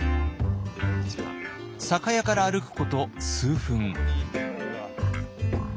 酒屋から歩くこと数分。